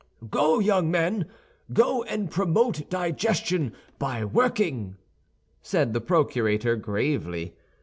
"Go, young men! go and promote digestion by working," said the procurator, gravely.